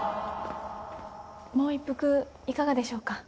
もう一服いかがでしょうか？